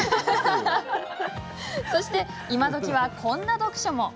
そして今どきは、こんな読書も。